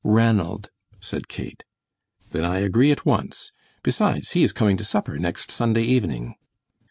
"Ranald," said Kate. "Then I agree at once. Besides, he is coming to supper next Sunday evening!"